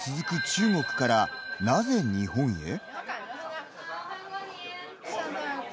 中国からなぜ日本へ？